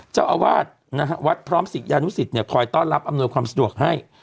เจ้าอาวาสนะฮะวัดพร้อมศิษยานุสิตคอยต้อนรับอำนวยความสะดวกให้